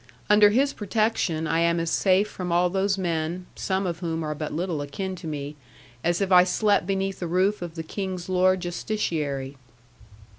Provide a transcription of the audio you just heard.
Under his protection, I am as safe from all those men (some of whom are but little akin to me) as if I slept beneath the roof of the King's Lord Justiciary.